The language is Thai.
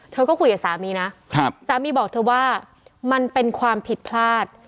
เธอก็คุยกับสามีนะสามีบอกเธอว่ามันเป็นความผิดพลาด